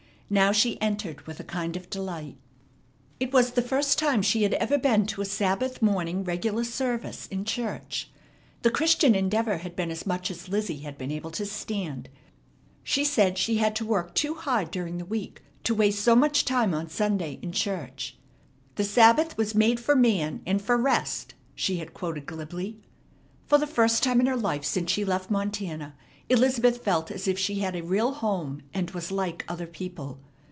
Now she entered with a kind of delight. It was the first time she had ever been to a Sabbath morning regular service in church. The Christian Endeavor had been as much as Lizzie had been able to stand. She said she had to work too hard during the week to waste so much time on Sunday in church. "The Sabbath was made for man" and "for rest," she had quoted glibly. For the first time in her life since she left Montana Elizabeth felt as if she had a real home and was like other people.